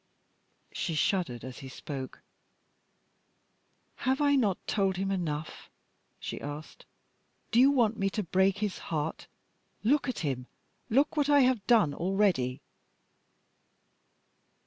She shuddered as he spoke. "Have I not told him enough?" she asked. "Do you want me to break his heart? Look at him! Look what I have done already!"